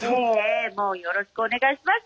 もうよろしくお願いします。